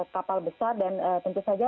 kapal besar dan tentu saja